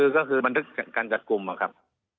ก็คือบรรดิการกัดกลุ่มน่ะครับ